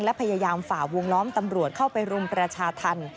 และพยายามฝ่าวงล้อมตำรวจเข้าไปรุมประชาธรรม